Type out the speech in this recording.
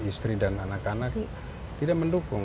istri dan anak anak tidak mendukung